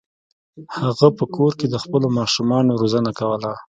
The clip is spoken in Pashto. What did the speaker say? هغه په کور کې د خپلو ماشومانو روزنه کوله.